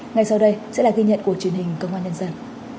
ngay sau đây sẽ là ghi nhận của truyền hình công an nhân dân